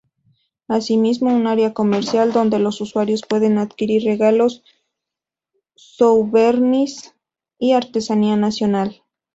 Asimismo, un área comercial, donde los usuarios pueden adquirir regalos, souvenirs y artesanía nacional.